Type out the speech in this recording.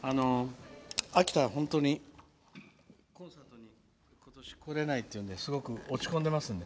秋田、本当にコンサートに今年来れないっていうんですごく落ち込んでますんで。